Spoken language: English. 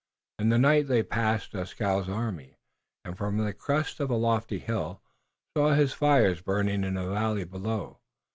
In the night they passed Dieskau's army, and, from the crest of a lofty hill, saw his fires burning in a valley below.